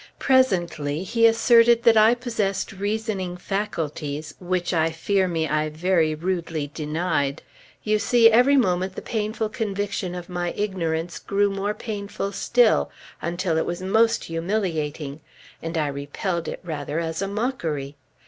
Presently he asserted that I possessed reasoning faculties, which I fear me I very rudely denied. You see, every moment the painful conviction of my ignorance grew more painful still, until it was most humiliating; and I repelled it rather as a mockery.